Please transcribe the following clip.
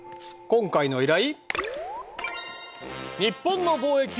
今回の依頼